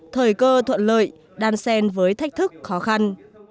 thời cơ thuận lợi đan sen với thách thức khó khăn